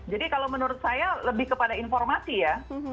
jadi kalau menurut saya lebih kepada informasi ya